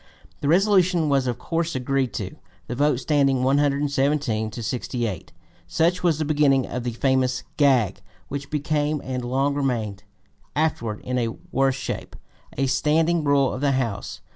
The resolution was of course agreed to, the vote standing 117 to 68. Such was the beginning of the famous "gag" which became and long remained afterward in a worse shape a standing rule of the House.